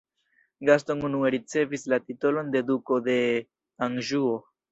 Gaston unue ricevis la titolon de duko de Anĵuo.